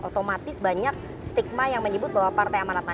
otomatis banyak stigma yang menyebut bahwa partai amanat nasional adalah pak zul